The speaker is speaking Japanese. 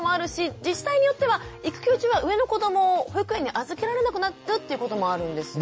自治体によっては育休中は上の子どもを保育園に預けられなくなるということもあるんですよね。